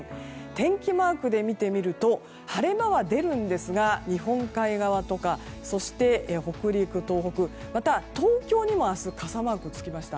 天気マークで見てみると晴れ間は出るんですが日本海側とか北陸、東北また東京にも明日傘マークがつきました。